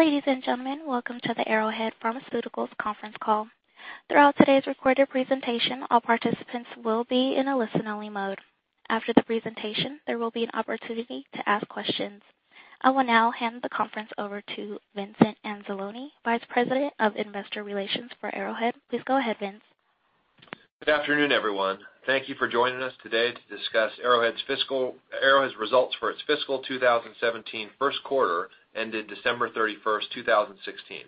Ladies and gentlemen, welcome to the Arrowhead Pharmaceuticals conference call. Throughout today's recorded presentation, all participants will be in a listen-only mode. After the presentation, there will be an opportunity to ask questions. I will now hand the conference over to Vince Anzalone, Vice President of Investor Relations for Arrowhead. Please go ahead, Vince. Good afternoon, everyone. Thank you for joining us today to discuss Arrowhead's results for its fiscal 2017 first quarter ended December 31st, 2016.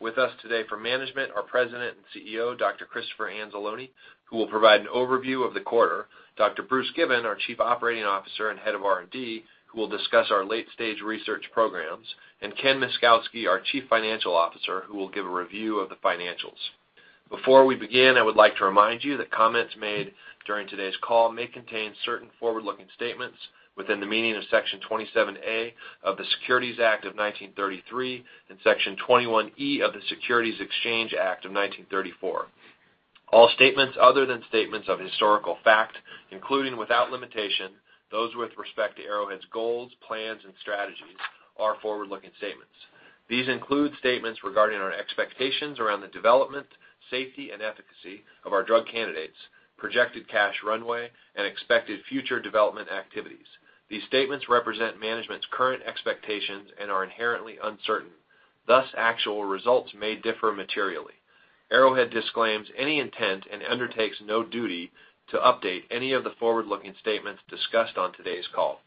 With us today for management, our President and CEO, Dr. Christopher Anzalone, who will provide an overview of the quarter, Dr. Bruce Given, our Chief Operating Officer and Head of R&D, who will discuss our late-stage research programs, and Ken Myszkowski, our Chief Financial Officer, who will give a review of the financials. Before we begin, I would like to remind you that comments made during today's call may contain certain forward-looking statements within the meaning of Section 27A of the Securities Act of 1933 and Section 21E of the Securities Exchange Act of 1934. All statements other than statements of historical fact, including, without limitation, those with respect to Arrowhead's goals, plans and strategies, are forward-looking statements. These include statements regarding our expectations around the development, safety, and efficacy of our drug candidates, projected cash runway, and expected future development activities. These statements represent management's current expectations and are inherently uncertain. Thus, actual results may differ materially. Arrowhead disclaims any intent and undertakes no duty to update any of the forward-looking statements discussed on today's call.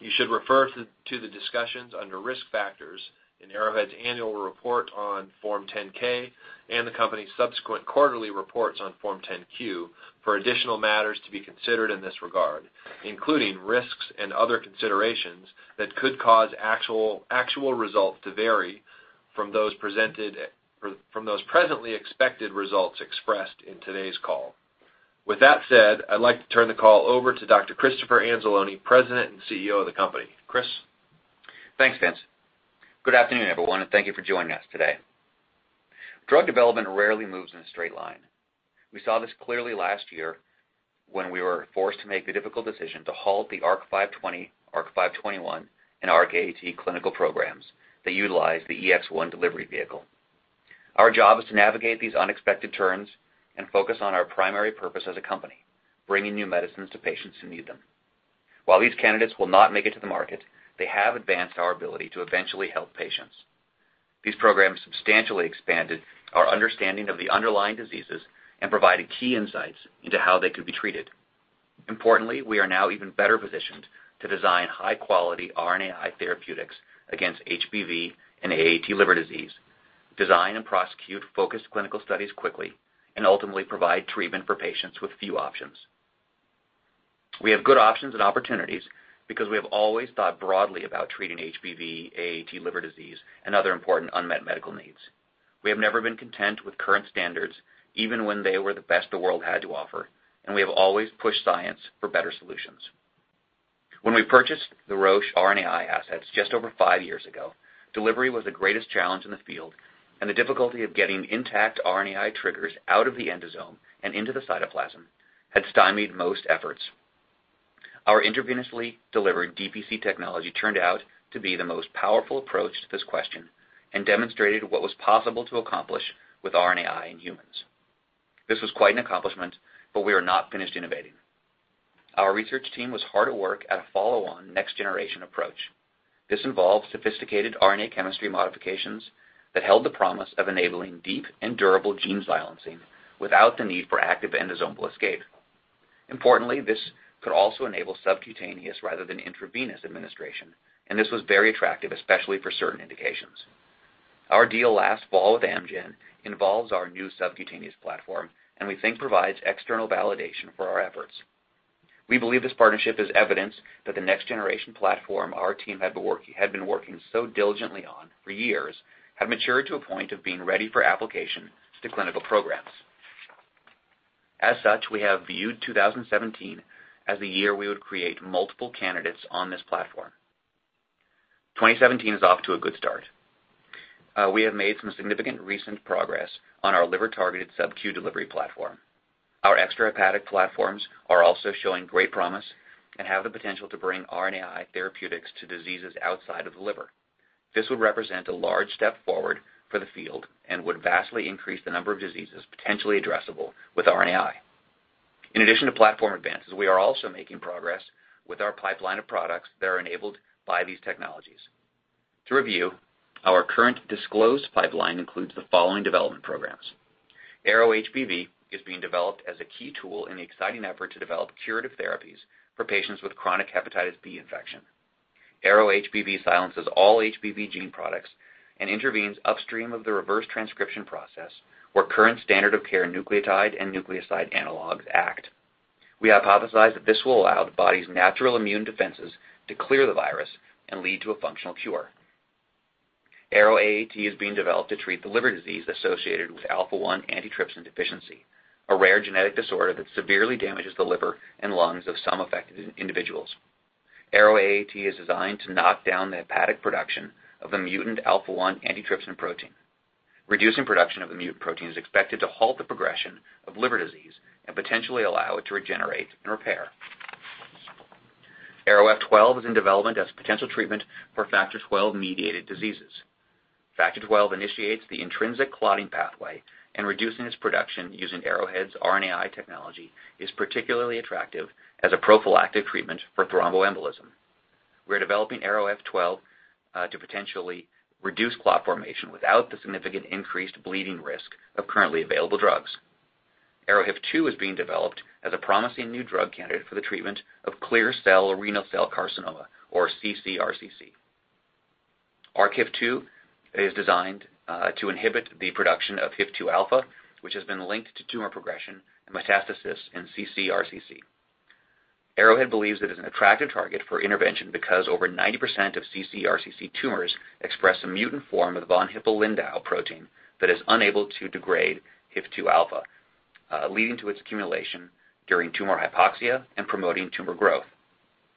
You should refer to the discussions under Risk Factors in Arrowhead's annual report on Form 10-K and the company's subsequent quarterly reports on Form 10-Q for additional matters to be considered in this regard, including risks and other considerations that could cause actual results to vary from those presently expected results expressed in today's call. With that said, I'd like to turn the call over to Dr. Christopher Anzalone, President and CEO of the company. Chris? Thanks, Vince. Good afternoon, everyone, and thank you for joining us today. Drug development rarely moves in a straight line. We saw this clearly last year when we were forced to make the difficult decision to halt the ARC-520, ARC-521, and ARC-AAT clinical programs that utilize the EX1 delivery vehicle. Our job is to navigate these unexpected turns and focus on our primary purpose as a company, bringing new medicines to patients who need them. While these candidates will not make it to the market, they have advanced our ability to eventually help patients. These programs substantially expanded our understanding of the underlying diseases and provided key insights into how they could be treated. Importantly, we are now even better positioned to design high-quality RNAi therapeutics against HBV and AAT liver disease, design and prosecute focused clinical studies quickly, and ultimately provide treatment for patients with few options. We have good options and opportunities because we have always thought broadly about treating HBV, AAT liver disease, and other important unmet medical needs. We have never been content with current standards, even when they were the best the world had to offer, and we have always pushed science for better solutions. When we purchased the Roche RNAi assets just over five years ago, delivery was the greatest challenge in the field, and the difficulty of getting intact RNAi triggers out of the endosome and into the cytoplasm had stymied most efforts. Our intravenously delivered DPC technology turned out to be the most powerful approach to this question and demonstrated what was possible to accomplish with RNAi in humans. This was quite an accomplishment, but we are not finished innovating. Our research team was hard at work at a follow-on next generation approach. This involved sophisticated RNA chemistry modifications that held the promise of enabling deep and durable gene silencing without the need for active endosomal escape. Importantly, this could also enable subcutaneous rather than intravenous administration, and this was very attractive, especially for certain indications. Our deal last fall with Amgen involves our new subcutaneous platform and we think provides external validation for our efforts. We believe this partnership is evidence that the next generation platform our team had been working so diligently on for years had matured to a point of being ready for application to clinical programs. As such, we have viewed 2017 as the year we would create multiple candidates on this platform. 2017 is off to a good start. We have made some significant recent progress on our liver-targeted subcutaneous delivery platform. Our extrahepatic platforms are also showing great promise and have the potential to bring RNAi therapeutics to diseases outside of the liver. This would represent a large step forward for the field and would vastly increase the number of diseases potentially addressable with RNAi. In addition to platform advances, we are also making progress with our pipeline of products that are enabled by these technologies. To review, our current disclosed pipeline includes the following development programs. ARO-HBV is being developed as a key tool in the exciting effort to develop curative therapies for patients with chronic hepatitis B infection. ARO-HBV silences all HBV gene products and intervenes upstream of the reverse transcription process where current standard of care nucleotide and nucleoside analogues act. We hypothesize that this will allow the body's natural immune defenses to clear the virus and lead to a functional cure. ARO-AAT is being developed to treat the liver disease associated with alpha-1 antitrypsin deficiency, a rare genetic disorder that severely damages the liver and lungs of some affected individuals. ARO-AAT is designed to knock down the hepatic production of the mutant alpha-1 antitrypsin protein. Reducing production of the mutant protein is expected to halt the progression of liver disease and potentially allow it to regenerate and repair. ARO-F12 is in development as a potential treatment for Factor XII-mediated diseases. Factor XII initiates the intrinsic clotting pathway, and reducing its production using Arrowhead's RNAi technology is particularly attractive as a prophylactic treatment for thromboembolism. We're developing ARO-F12 to potentially reduce clot formation without the significant increased bleeding risk of currently available drugs. ARO-HIF2 is being developed as a promising new drug candidate for the treatment of clear cell renal cell carcinoma, or ccRCC. ARO-HIF2 is designed to inhibit the production of HIF-2 alpha, which has been linked to tumor progression and metastasis in ccRCC. Arrowhead believes it is an attractive target for intervention because over 90% of ccRCC tumors express a mutant form of the von Hippel-Lindau protein that is unable to degrade HIF-2 alpha, leading to its accumulation during tumor hypoxia and promoting tumor growth.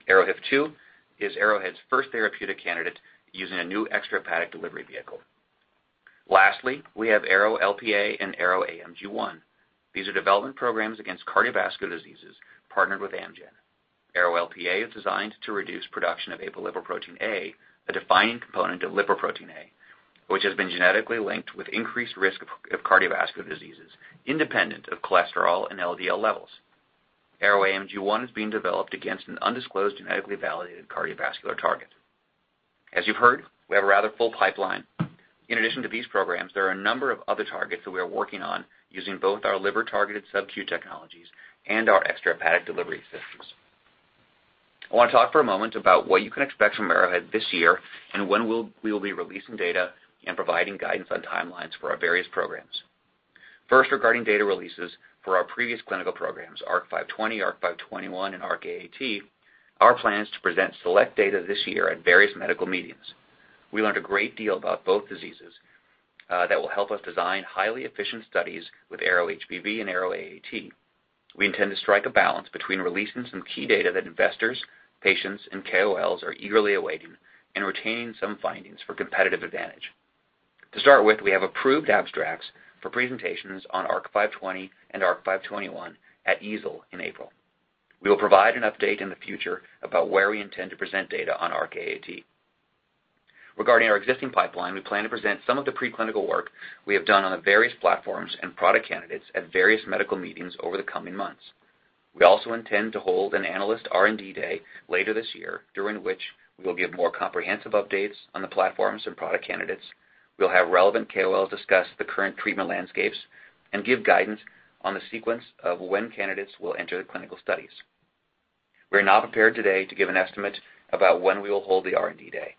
ARO-HIF2 is Arrowhead's first therapeutic candidate using a new extrahepatic delivery vehicle. Lastly, we have ARO-LPA and ARO-AMG1. These are development programs against cardiovascular diseases partnered with Amgen. ARO-LPA is designed to reduce production of apolipoprotein(a), the defining component of lipoprotein(a), which has been genetically linked with increased risk of cardiovascular diseases independent of cholesterol and LDL levels. ARO-AMG1 is being developed against an undisclosed genetically validated cardiovascular target. As you've heard, we have a rather full pipeline. In addition to these programs, there are a number of other targets that we are working on using both our liver-targeted subcutaneous technologies and our extrahepatic delivery systems. I want to talk for a moment about what you can expect from Arrowhead this year and when we will be releasing data and providing guidance on timelines for our various programs. First, regarding data releases for our previous clinical programs, ARC-520, ARC-521, and ARC-AAT, our plan is to present select data this year at various medical meetings. We learned a great deal about both diseases that will help us design highly efficient studies with ARO-HBV and ARO-AAT. We intend to strike a balance between releasing some key data that investors, patients, and KOLs are eagerly awaiting and retaining some findings for competitive advantage. To start with, we have approved abstracts for presentations on ARC-520 and ARC-521 at EASL in April. We will provide an update in the future about where we intend to present data on ARC-AAT. Regarding our existing pipeline, we plan to present some of the preclinical work we have done on the various platforms and product candidates at various medical meetings over the coming months. We also intend to hold an analyst R&D day later this year, during which we will give more comprehensive updates on the platforms and product candidates. We'll have relevant KOLs discuss the current treatment landscapes and give guidance on the sequence of when candidates will enter the clinical studies. We are not prepared today to give an estimate about when we will hold the R&D day.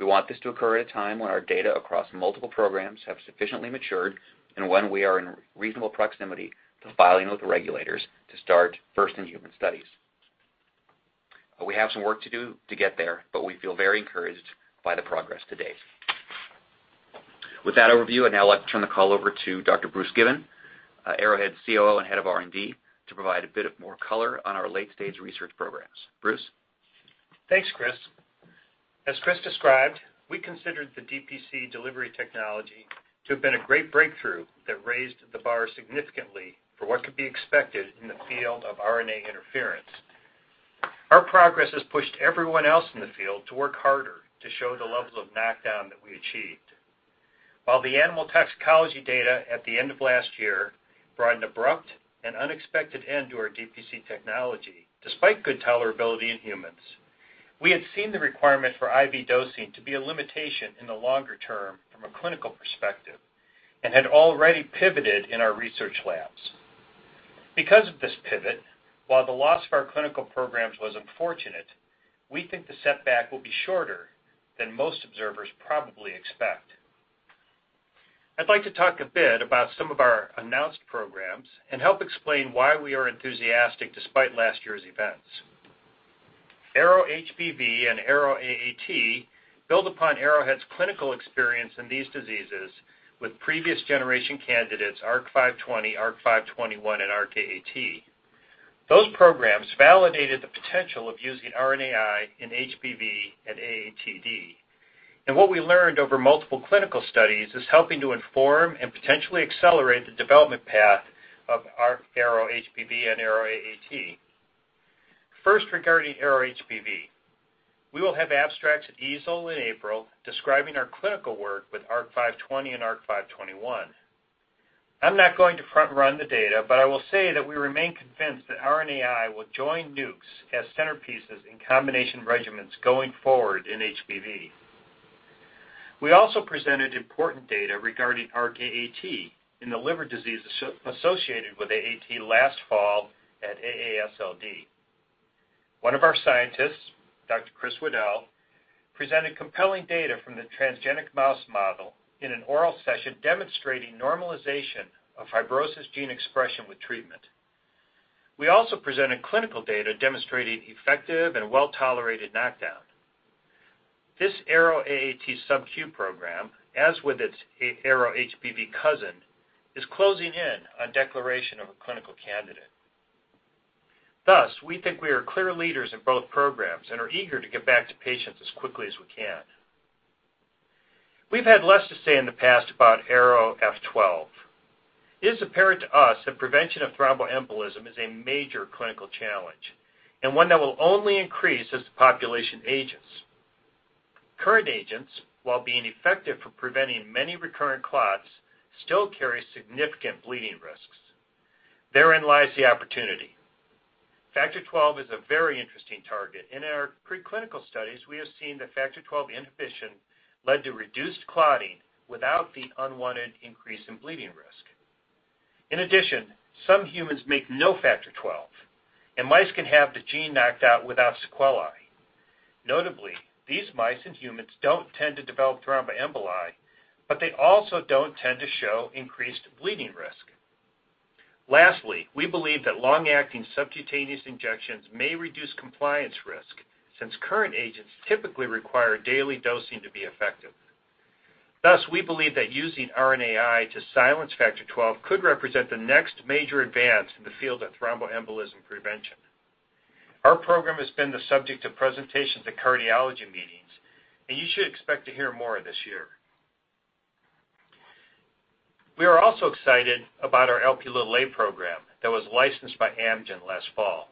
We want this to occur at a time when our data across multiple programs have sufficiently matured and when we are in reasonable proximity to filing with the regulators to start first-in-human studies. We have some work to do to get there, but we feel very encouraged by the progress to date. With that overview, I'd now like to turn the call over to Dr. Bruce Given, Arrowhead's COO and Head of R&D, to provide a bit of more color on our late-stage research programs. Bruce? Thanks, Chris. As Chris described, we considered the DPC delivery technology to have been a great breakthrough that raised the bar significantly for what could be expected in the field of RNA interference. Our progress has pushed everyone else in the field to work harder to show the levels of knockdown that we achieved. While the animal toxicology data at the end of last year brought an abrupt and unexpected end to our DPC technology, despite good tolerability in humans, we had seen the requirement for IV dosing to be a limitation in the longer term from a clinical perspective and had already pivoted in our research labs. Because of this pivot, while the loss of our clinical programs was unfortunate, we think the setback will be shorter than most observers probably expect. I'd like to talk a bit about some of our announced programs and help explain why we are enthusiastic despite last year's events. ARO-HBV and ARO-AAT build upon Arrowhead's clinical experience in these diseases with previous generation candidates ARC-520, ARC-521 and ARC-AAT. Those programs validated the potential of using RNAi in HBV and AATD. What we learned over multiple clinical studies is helping to inform and potentially accelerate the development path of our ARO-HBV and ARO-AAT. First, regarding ARO-HBV. We will have abstracts at EASL in April describing our clinical work with ARC-520 and ARC-521. I'm not going to front-run the data, but I will say that we remain convinced that RNAi will join NUCs as centerpieces in combination regimens going forward in HBV. We also presented important data regarding ARC-AAT in the liver disease associated with AAT last fall at AASLD. One of our scientists, Dr. Chris Waddell, presented compelling data from the transgenic mouse model in an oral session demonstrating normalization of fibrosis gene expression with treatment. We also presented clinical data demonstrating effective and well-tolerated knockdown. This ARO-AAT subcutaneous program, as with its ARO-HBV cousin, is closing in on declaration of a clinical candidate. Thus, we think we are clear leaders in both programs and are eager to get back to patients as quickly as we can. We've had less to say in the past about ARO-F12. It is apparent to us that prevention of thromboembolism is a major clinical challenge, and one that will only increase as the population ages. Current agents, while being effective for preventing many recurrent clots, still carry significant bleeding risks. Therein lies the opportunity. Factor XII is a very interesting target. In our preclinical studies, we have seen that Factor XII inhibition led to reduced clotting without the unwanted increase in bleeding risk. In addition, some humans make no Factor XII, and mice can have the gene knocked out without sequelae. Notably, these mice in humans don't tend to develop thromboemboli, but they also don't tend to show increased bleeding risk. Lastly, we believe that long-acting subcutaneous injections may reduce compliance risk, since current agents typically require daily dosing to be effective. Thus, we believe that using RNAi to silence Factor XII could represent the next major advance in the field of thromboembolism prevention. Our program has been the subject of presentations at cardiology meetings, and you should expect to hear more this year. We are also excited about our Lp program that was licensed by Amgen last fall.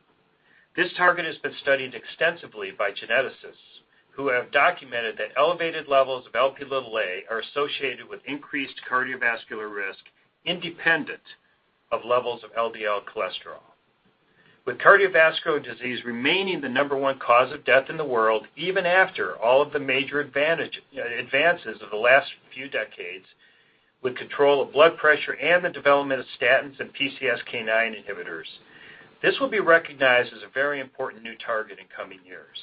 This target has been studied extensively by geneticists, who have documented that elevated levels of Lp(a) are associated with increased cardiovascular risk independent of levels of LDL cholesterol. With cardiovascular disease remaining the number one cause of death in the world, even after all of the major advances of the last few decades, with control of blood pressure and the development of statins and PCSK9 inhibitors, this will be recognized as a very important new target in coming years.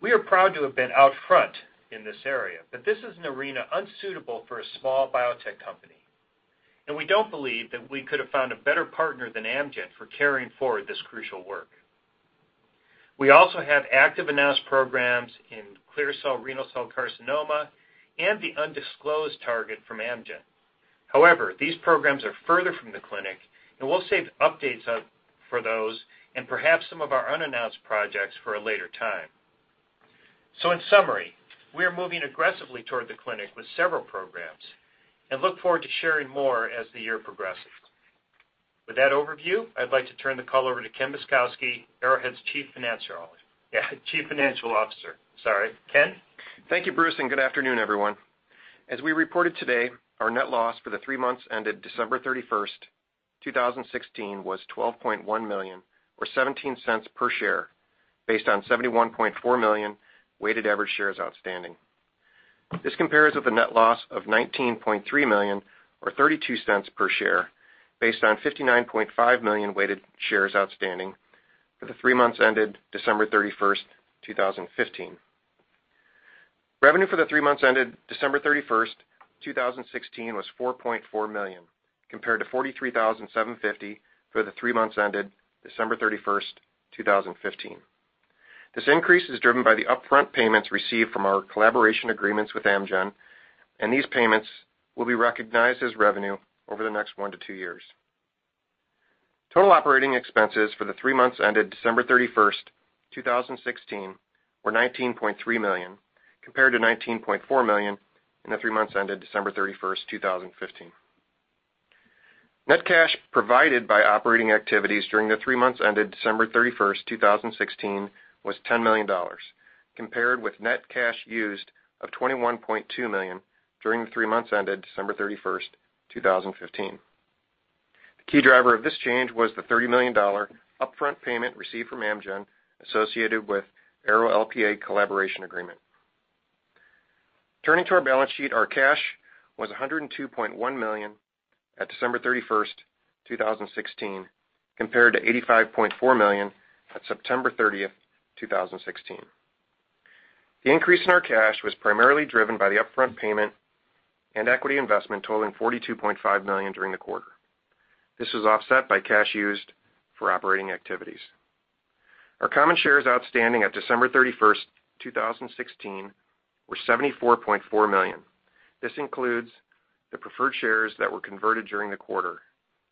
We are proud to have been out front in this area, but this is an arena unsuitable for a small biotech company, and we don't believe that we could have found a better partner than Amgen for carrying forward this crucial work. We also have active announced programs in clear cell renal cell carcinoma and the undisclosed target from Amgen. However, these programs are further from the clinic, and we'll save updates for those and perhaps some of our unannounced projects for a later time. In summary, we are moving aggressively toward the clinic with several programs and look forward to sharing more as the year progresses. With that overview, I'd like to turn the call over to Ken Bryczkowski, Arrowhead's Chief Financial Officer. Ken. Thank you, Bruce, and good afternoon, everyone. As we reported today, our net loss for the three months ended December 31st, 2016, was $12.1 million or $0.17 per share based on 71.4 million weighted average shares outstanding. This compares with the net loss of $19.3 million or $0.32 per share based on 59.5 million weighted shares outstanding for the three months ended December 31st, 2015. Revenue for the three months ended December 31st, 2016, was $4.4 million, compared to $43,750 for the three months ended December 31st, 2015. This increase is driven by the upfront payments received from our collaboration agreements with Amgen, and these payments will be recognized as revenue over the next one to two years. Total operating expenses for the three months ended December 31st, 2016, were $19.3 million, compared to $19.4 million in the three months ended December 31st, 2015. Net cash provided by operating activities during the three months ended December 31st, 2016, was $10 million, compared with net cash used of $21.2 million during the three months ended December 31st, 2015. The key driver of this change was the $30 million upfront payment received from Amgen associated with ARO-LPA collaboration agreement. Turning to our balance sheet, our cash was $102.1 million at December 31st, 2016, compared to $85.4 million at September 30th, 2016. The increase in our cash was primarily driven by the upfront payment and equity investment totaling $42.5 million during the quarter. This was offset by cash used for operating activities. Our common shares outstanding at December 31st, 2016, were 74.4 million. This includes the preferred shares that were converted during the quarter.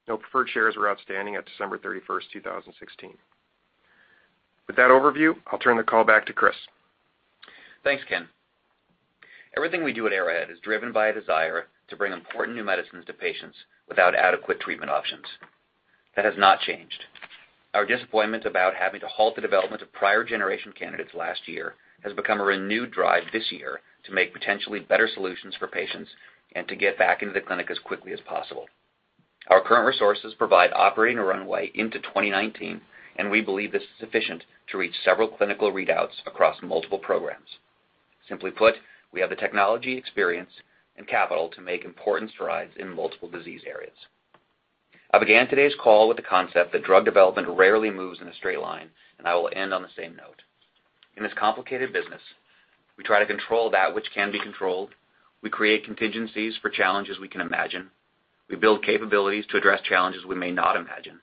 No preferred shares were outstanding at December 31st, 2016. With that overview, I'll turn the call back to Chris. Thanks, Ken. Everything we do at Arrowhead is driven by a desire to bring important new medicines to patients without adequate treatment options. That has not changed. Our disappointment about having to halt the development of prior generation candidates last year has become a renewed drive this year to make potentially better solutions for patients and to get back into the clinic as quickly as possible. Our current resources provide operating runway into 2019. We believe this is sufficient to reach several clinical readouts across multiple programs. Simply put, we have the technology, experience, and capital to make important strides in multiple disease areas. I began today's call with the concept that drug development rarely moves in a straight line. I will end on the same note. In this complicated business, we try to control that which can be controlled. We create contingencies for challenges we can imagine. We build capabilities to address challenges we may not imagine.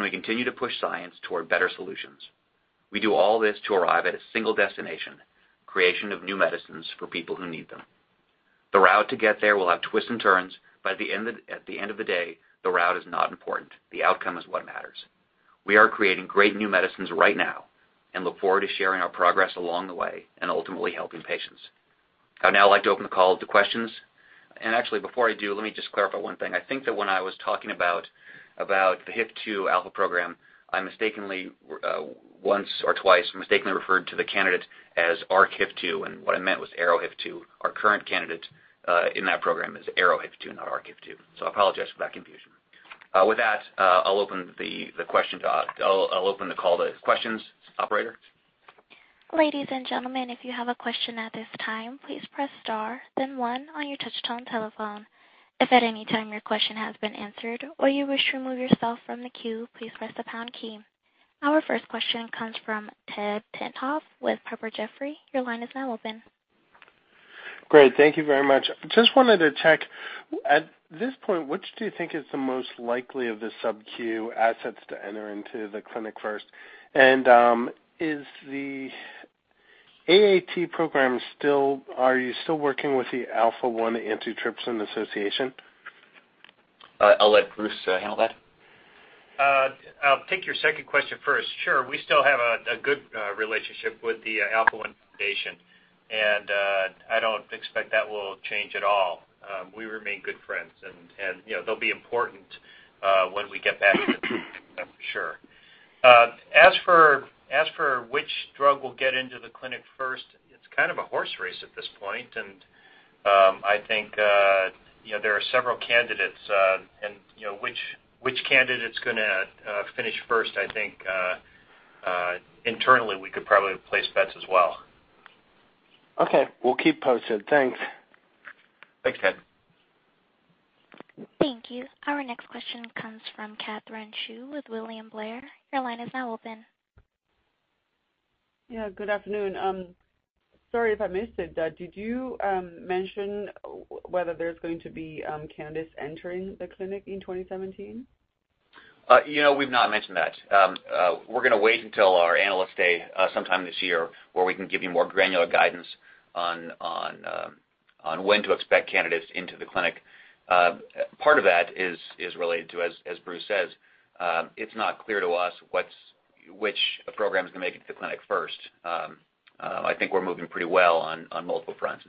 We continue to push science toward better solutions. We do all this to arrive at a single destination, creation of new medicines for people who need them. The route to get there will have twists and turns. At the end of the day, the route is not important. The outcome is what matters. We are creating great new medicines right now. We look forward to sharing our progress along the way, and ultimately helping patients. I'd now like to open the call to questions. Actually, before I do, let me just clarify one thing. I think that when I was talking about the HIF-2 alpha program, I mistakenly, once or twice, mistakenly referred to the candidate as ARC-HIF2, and what I meant was ARO-HIF-2. Our current candidate in that program is ARO-HIF-2, not ARC-HIF2. I apologize for that confusion. With that, I'll open the call to questions. Operator? Ladies and gentlemen, if you have a question at this time, please press star then one on your touchtone telephone. If at any time your question has been answered or you wish to remove yourself from the queue, please press the pound key. Our first question comes from Ted Tenthoff with Piper Jaffray. Your line is now open. Great. Thank you very much. Just wanted to check, at this point, which do you think is the most likely of the subcu assets to enter into the clinic first? Are you still working with the Alpha-1 Foundation? I'll let Bruce handle that. I'll take your second question first. Sure. We still have a good relationship with the Alpha-1 Foundation. I don't expect that will change at all. As for which drug will get into the clinic first, it's kind of a horse race at this point. I think there are several candidates, and which candidate's gonna finish first, I think internally we could probably place bets as well. Okay. We'll keep posted. Thanks. Thanks, Ted Tenthoff. Thank you. Our next question comes from Katherine Xu with William Blair. Your line is now open. Yeah, good afternoon. Sorry if I missed it. Did you mention whether there's going to be candidates entering the clinic in 2017? We've not mentioned that. We're going to wait until our Analyst Day sometime this year where we can give you more granular guidance on when to expect candidates into the clinic. Part of that is related to, as Bruce says, it's not clear to us which program's going to make it to the clinic first. I think we're moving pretty well on multiple fronts.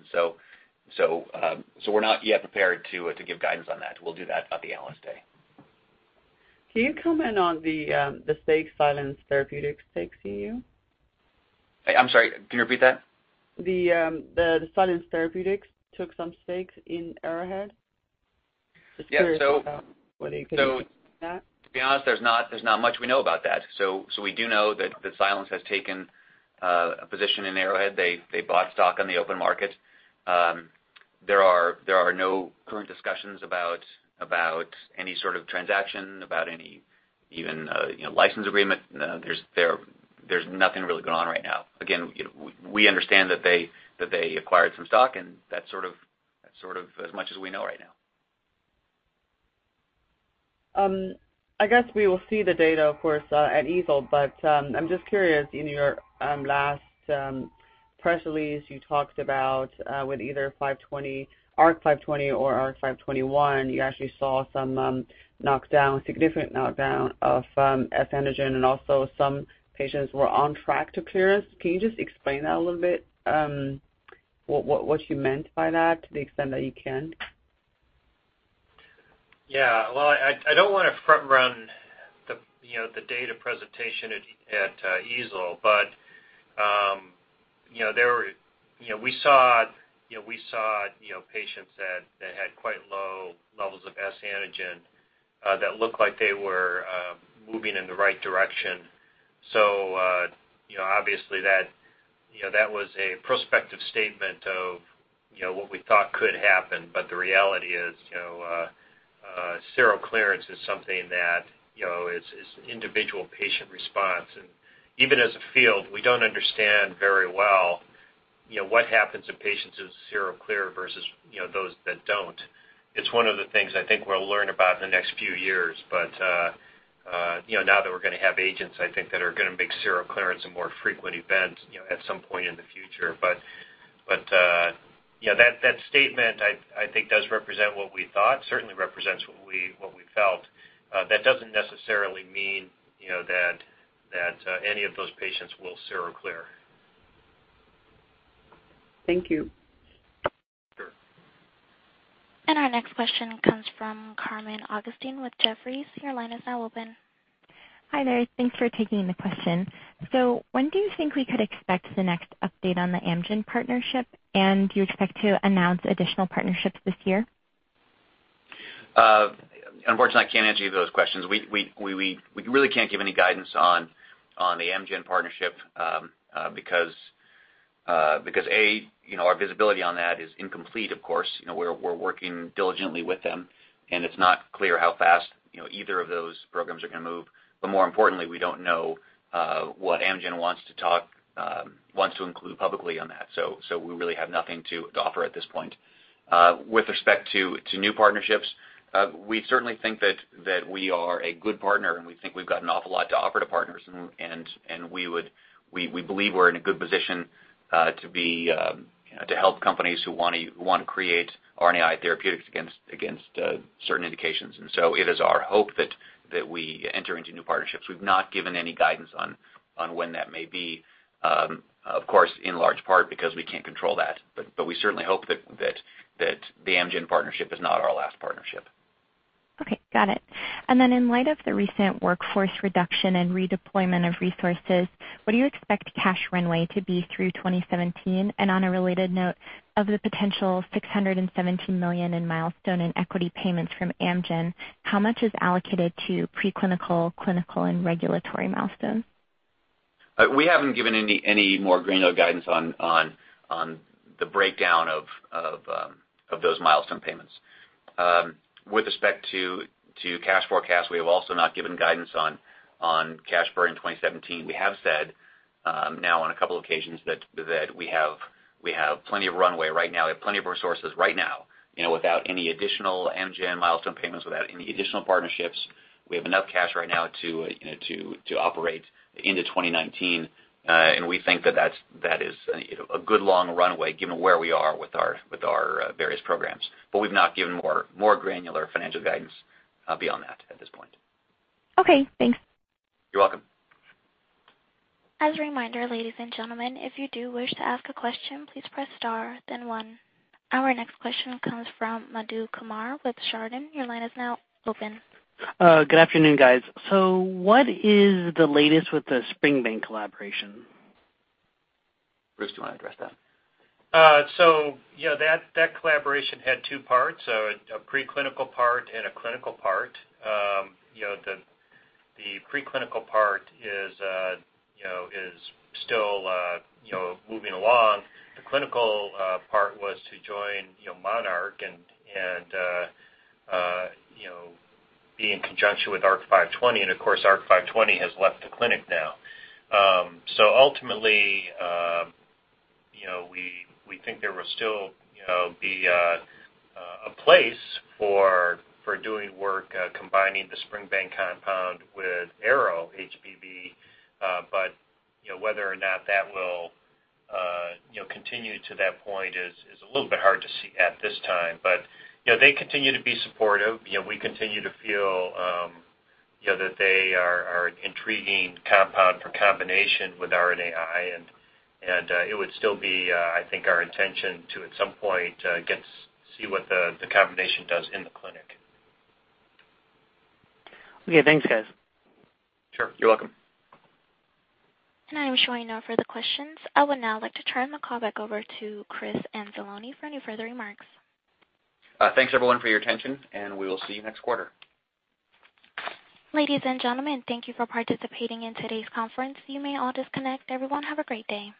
We're not yet prepared to give guidance on that. We'll do that at the Analyst Day. Can you comment on the stakes Silence Therapeutics takes to you? I'm sorry, can you repeat that? The Silence Therapeutics took some stakes in Arrowhead. Yeah. Just curious about what you can say on that. To be honest, there's not much we know about that. We do know that Silence has taken a position in Arrowhead. They bought stock on the open market. There are no current discussions about any sort of transaction, about any even license agreement. There's nothing really going on right now. Again, we understand that they acquired some stock, and that's sort of as much as we know right now. I guess we will see the data, of course, at EASL, but I'm just curious, in your last press release, you talked about with either ARC-520 or ARC-521, you actually saw some significant knockdown of S-antigen, and also some patients were on track to clearance. Can you just explain that a little bit, what you meant by that, to the extent that you can? Yeah. Well, I don't want to front-run the data presentation at EASL, but we saw patients that had quite low levels of S-antigen that looked like they were moving in the right direction. Obviously that was a prospective statement of what we thought could happen. The reality is, seroclearance is something that is an individual patient response. Even as a field, we don't understand very well what happens in patients who sero clear versus those that don't. It's one of the things I think we'll learn about in the next few years. Now that we're going to have agents, I think that are going to make seroclearance a more frequent event at some point in the future. That statement I think does represent what we thought. Certainly represents what we felt. That doesn't necessarily mean that any of those patients will sero clear. Thank you. Sure. Our next question comes from Carmen Augustine with Jefferies. Your line is now open. Hi there. Thanks for taking the question. When do you think we could expect the next update on the Amgen partnership? Do you expect to announce additional partnerships this year? Unfortunately, I can't answer either of those questions. We really can't give any guidance on the Amgen partnership because A, our visibility on that is incomplete, of course. We're working diligently with them, and it's not clear how fast either of those programs are going to move. More importantly, we don't know what Amgen wants to include publicly on that. We really have nothing to offer at this point. With respect to new partnerships, we certainly think that we are a good partner, and we think we've got an awful lot to offer to partners. We believe we're in a good position to help companies who want to create RNAi therapeutics against certain indications. It is our hope that we enter into new partnerships. We've not given any guidance on when that may be. Of course, in large part because we can't control that. We certainly hope that the Amgen partnership is not our last partnership. Okay, got it. Then in light of the recent workforce reduction and redeployment of resources, what do you expect cash runway to be through 2017? On a related note, of the potential $617 million in milestone and equity payments from Amgen, how much is allocated to pre-clinical, clinical, and regulatory milestones? We haven't given any more granular guidance on the breakdown of those milestone payments. With respect to cash forecast, we have also not given guidance on cash burn 2017. We have said now on a couple occasions that we have plenty of runway right now. We have plenty of resources right now, without any additional Amgen milestone payments, without any additional partnerships. We have enough cash right now to operate into 2019. We think that that is a good long runway given where we are with our various programs. We've not given more granular financial guidance beyond that at this point. Okay, thanks. You're welcome. As a reminder, ladies and gentlemen, if you do wish to ask a question, please press star then one. Our next question comes from Madhu Kumar with Chardan. Your line is now open. Good afternoon, guys. What is the latest with the Spring Bank collaboration? Bruce, do you want to address that? That collaboration had two parts, a pre-clinical part and a clinical part. The pre-clinical part is still moving along. The clinical part was to join MONARCH and be in conjunction with ARC-520. Of course, ARC-520 has left the clinic now. Ultimately, we think there will still be a place for doing work combining the Spring Bank compound with ARO-HBV. Whether or not that will continue to that point is a little bit hard to see at this time. They continue to be supportive. We continue to feel that they are an intriguing compound for combination with RNAi, and it would still be, I think, our intention to, at some point, see what the combination does in the clinic. Okay, thanks, guys. Sure. You're welcome. I am showing no further questions. I would now like to turn the call back over to Chris Anzalone for any further remarks. Thanks, everyone, for your attention, and we will see you next quarter. Ladies and gentlemen, thank you for participating in today's conference. You may all disconnect. Everyone, have a great day.